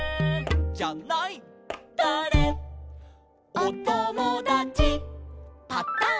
「おともだちパタン」